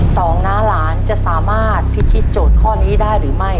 น้าหลานจะสามารถพิธีโจทย์ข้อนี้ได้หรือไม่